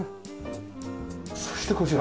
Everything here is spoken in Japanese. そしてこちら。